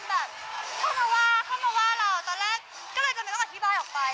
เข้ามาว่าเราตอนแรกก็เลยจะไม่ต้องอธิบายออกไป